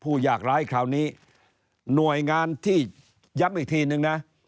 อยากร้ายคราวนี้หน่วยงานที่ย้ำอีกทีนึงนะ